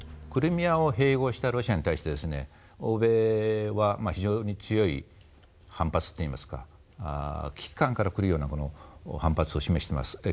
クリミアを併合したロシアに対して欧米は非常に強い反発といいますか危機感からくるような反発を示しています。